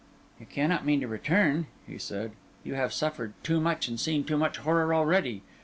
"You cannot mean to return," he said. "You have suffered too much and seen too much horror already.